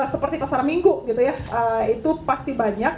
seperti kosong minggu itu pasti banyak